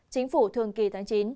chính phủ thường kỳ tháng chín